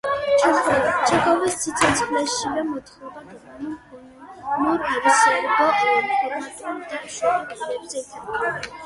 ჩეხოვის სიცოცხლეშივე მოთხრობა გერმანულ, პოლონურ, სერბო-ხორვატულ და შვედურ ენებზე ითარგმნა.